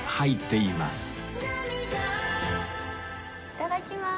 いただきまーす。